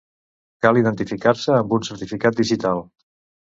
Cal identificar-se amb un certificat digital.